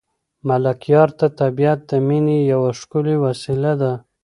ملکیار ته طبیعت د مینې یوه ښکلې وسیله ده.